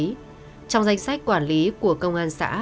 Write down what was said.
nhưng tôi chỉ nghe thấy về địa chỉ xách quản lý của công an xã